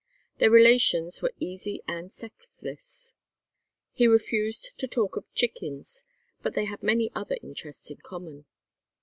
Their relations were easy and sexless. He refused to talk of chickens, but they had many other interests in common.